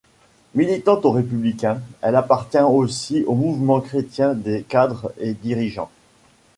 Militante aux Républicains, elle appartient aussi au Mouvement chrétien des cadres et dirigeants.